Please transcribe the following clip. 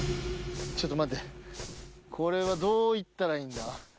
ちょっと待ってこれはどう行ったらいいんだ。